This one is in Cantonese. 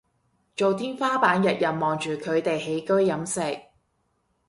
做天花板日日望住佢哋起居飲食